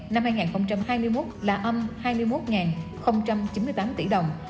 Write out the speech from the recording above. năm hai nghìn hai mươi một là âm hai mươi một chín mươi tám tỷ đồng